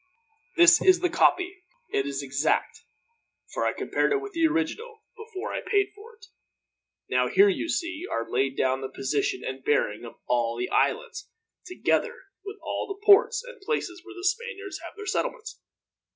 "This is the copy. It is exact, for I compared it with the original, before I paid for it. Now here, you see, are laid down the position and bearing of all the islands, together with all the ports and places where the Spaniards have their settlements.